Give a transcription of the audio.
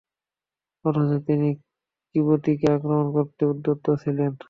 অথচ তিনি কিবতীকে আক্রমণ করতেই উদ্যত ছিলেন।